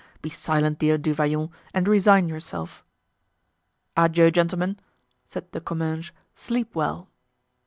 Be silent, dear Du Vallon, and resign yourself." "Adieu, gentlemen," said De Comminges; "sleep well!"